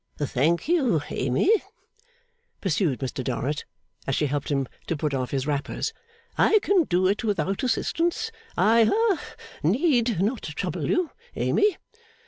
'Thank you, Amy,' pursued Mr Dorrit, as she helped him to put off his wrappers. 'I can do it without assistance. I ha need not trouble you, Amy.